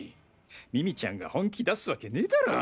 ミミちゃんが本気出すワケねぇだろ！